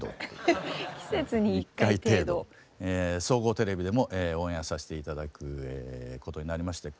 １回程度総合テレビでもオンエアさして頂くことになりまして。